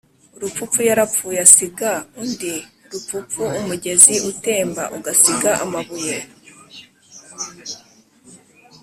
Rupfupfu yarapfuye asiga undi Rupfupfu.-Umugezi utemba ugasiga amabuye.